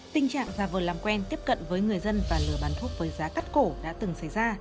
tình trạng già vờ làm quen tiếp cận với người dân và lừa bán thuốc với giá cắt cổ đã từng xảy ra